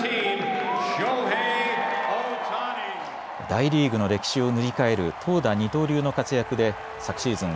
大リーグの歴史を塗り替える投打二刀流の活躍で昨シーズン